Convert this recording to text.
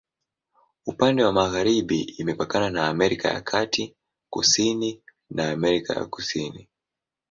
Upande wa magharibi imepakana na Amerika ya Kati, kusini na Amerika ya Kusini.